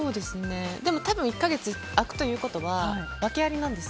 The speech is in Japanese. でも多分１か月空くということは訳ありなんです。